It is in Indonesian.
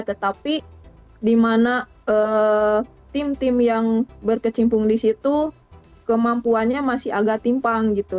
tetapi di mana tim tim yang berkecimpung di situ kemampuannya masih agak timpang gitu